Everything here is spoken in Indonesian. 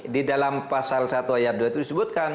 di dalam pasal satu ayat dua itu disebutkan